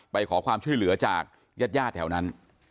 ไปขอความช่วยเหลือจากญาติญาติแถวนั้น